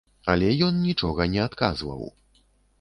Але ён нічога не адказваў.